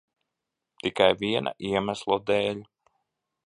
Tikai viena iemesla dēļ.